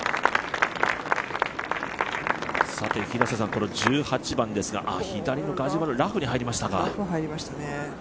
この１８番ですが左のガジュマル、ラフに入りましたが。